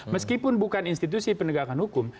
meskipun bukan institusi penegakan hukum